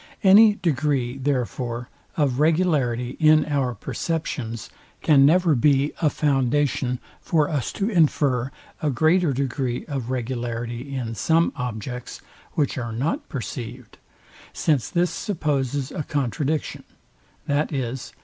Any degree, therefore, of regularity in our perceptions, can never be a foundation for us to infer a greater degree of regularity in some objects, which are not perceived; since this supposes a contradiction, viz.